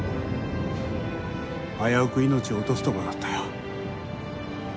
危うく命を落とすところだったよ。